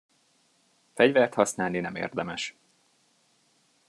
Fegyvert használni nem érdemes.